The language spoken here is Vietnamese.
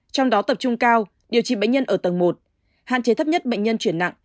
trong đó tập trung cao điều trị bệnh nhân ở tầng một hạn chế thấp nhất bệnh nhân chuyển nặng